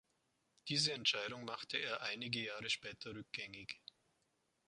Diese Entscheidung machte er einige Jahre später rückgängig.